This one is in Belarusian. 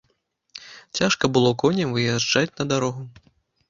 Цяжка было коням выязджаць на дарогу.